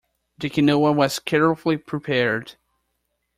The Quinoa was carefully prepared.